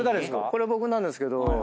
これ僕なんですけど。